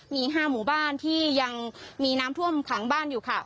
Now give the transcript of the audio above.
มี๕หมู่บ้านที่ยังมีน้ำท่วมขังบ้านอยู่ค่ะ